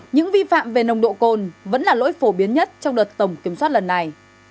những vi phạm về nồng độ cồn vẫn là lỗi phổ biến nhất trong đợt tổng kiểm soát lần này